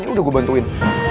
ya udah gue bantuin